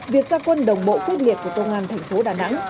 việc gia quân đồng bộ quyết liệt của công an thành phố đà nẵng